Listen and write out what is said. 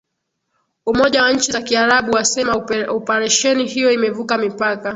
umoja wa nchi za kiarabu wasema oparesheni hiyo imevuka mipaka